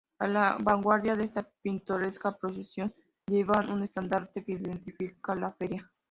A la vanguardia de esta pintoresca procesión llevan un estandarte que identifica la feria.